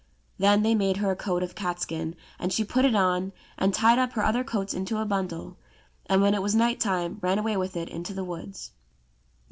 Then they made her a coat of catskin ; and she put it on, and tied up her other coats into a bundle, and when it was night time ran away with it into the woods.